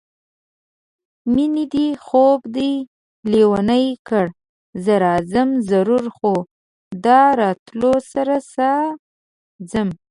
مېنې دې خوب دې لېونی کړه زه راځم ضرور خو د راتلو سره ځم